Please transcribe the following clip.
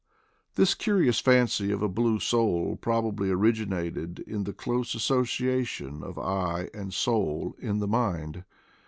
This curious fancy of a blue soul probably originated in the close association of eye and soul in the mind.